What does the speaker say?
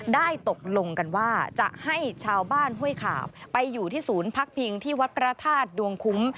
ได้ตกลงกันว่าจะให้ชาวบ้านห้วยขาบไปอยู่ที่ศูนย์พักพิงที่วัดพระธาตุดวงคุ้ม